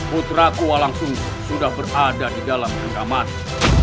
putra ku walang sung sudah berada di dalam kendamaanku